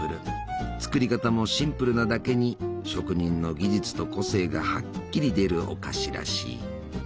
作り方もシンプルなだけに職人の技術と個性がはっきり出るお菓子らしい。